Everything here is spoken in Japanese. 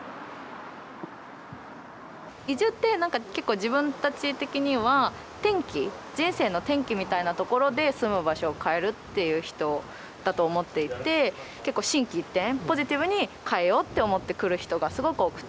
移住ってなんか結構自分たち的には転機人生の転機みたいなところで住む場所をかえるっていう人だと思っていて結構心機一転ポジティブにかえようって思って来る人がすごく多くて。